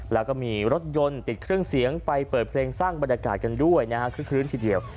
แล้วก็มีรถยนต์ติดเครื่องเสียงไปเปิดเพลงสร้างบรรยากาศกันด้วยนะฮะคือคลื้นทีเดียว